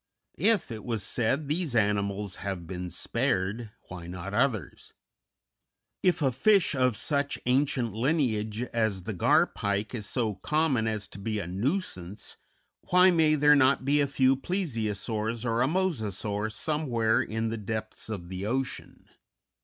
If, it was said, these animals have been spared, why not others? If a fish of such ancient lineage as the Gar Pike is so common as to be a nuisance, why may there not be a few Plesiosaurs or a Mosasaur somewhere in the depths of the ocean?